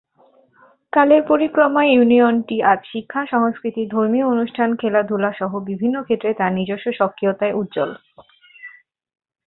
কালের পরিক্রমায় ইউনিয়নটি আজ শিক্ষা, সংস্কৃতি, ধর্মীয় অনুষ্ঠান, খেলাধুলা সহ বিভিন্ন ক্ষেত্রে তার নিজস্ব স্বকীয়তায় উজ্জ্বল।